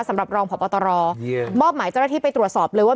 สำหรับรองพบตรมอบหมายเจ้าหน้าที่ไปตรวจสอบเลยว่า